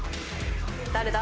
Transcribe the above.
誰だ？